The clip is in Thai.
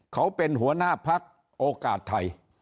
เขาเป็นหัวหน้าพักโอกาสไทย